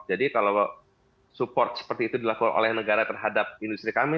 jadi kalau support seperti itu dilakukan oleh negara terhadap industri kami